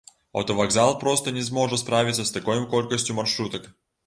Аўтавакзал проста не зможа справіцца з такой колькасцю маршрутак.